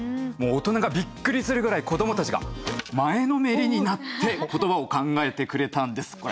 もう大人がびっくりするぐらい子どもたちが前のめりになって言葉を考えてくれたんです。